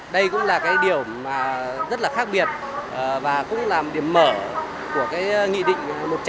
đây cũng là cái điều mà rất là khác biệt và cũng là điểm mở của cái nghị định một trăm linh